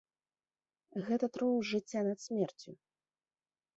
Гэта трыумф жыцця над смерцю.